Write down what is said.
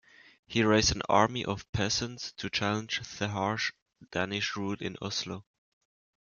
He raised an army of peasants to challenge the harsh Danish rule in Oslo.